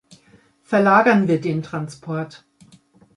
Verlagern wir den Transport.